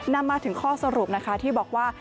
นำมาถึงข้อสรุปนะคะที่บอกว่า